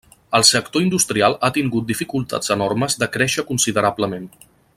El sector industrial ha tingut dificultats enormes de créixer considerablement.